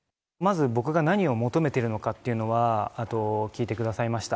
まず、僕が何を求めてるかっていうのはあと、聞いてくださいました。